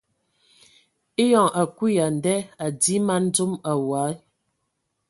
Eyɔŋ a kui ya a nda a dii man dzom awɔi.